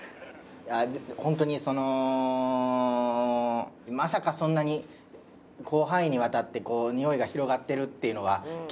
本当にそのまさかそんなに広範囲にわたってにおいが広がってるっていうのは気付かなかったので。